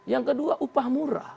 yang kedua upah murah